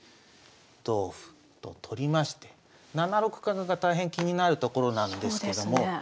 同歩と取りまして７六角が大変気になるところなんですけども。